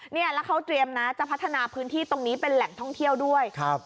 เนี่ยแล้วเขาเตรียมนะจะพัฒนาพื้นที่ตรงนี้เป็นแหล่งท่องเที่ยวด้วยครับ